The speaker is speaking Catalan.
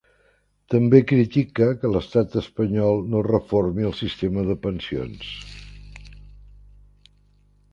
També critica que l'Estat espanyol no reformi el sistema de pensions.